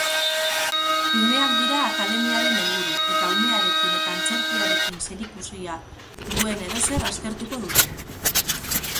Umeak dira akademiaren helburu eta umearekin eta antzerkiarekin zerikusia duen edozer aztertuko dute.